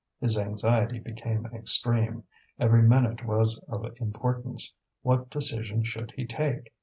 His anxiety became extreme, every minute was of importance; what decision should he take?